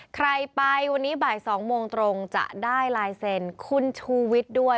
ใครไปวันนี้บ่าย๒โมงตรงจะได้ลายเซ็นคุณชูวิทย์ด้วย